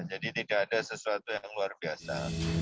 jadi tidak ada sesuatu yang luar biasa